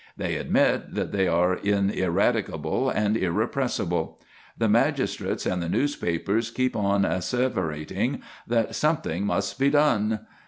They admit that they are ineradicable and irrepressible. The magistrates and the newspapers keep on asseverating that "something must be done."